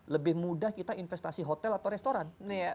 lebih mudah kita investasi hotel atau restoran